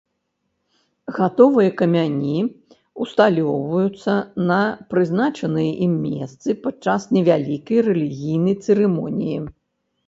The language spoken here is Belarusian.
Гатовыя камяні ўсталёўваюцца на прызначаныя ім месцы падчас невялікай рэлігійнай цырымоніі.